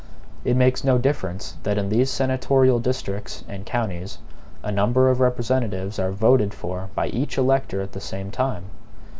It makes no difference that in these senatorial districts and counties a number of representatives are voted for by each elector at the same time.